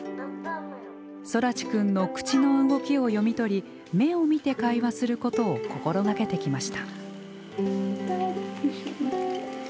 空知くんの口の動きを読み取り目を見て会話することを心掛けてきました。